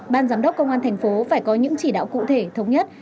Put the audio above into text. ban giám đốc công an thành phố phải có những chỉ đạo cụ thể thống nhất